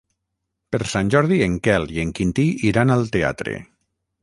Per Sant Jordi en Quel i en Quintí iran al teatre.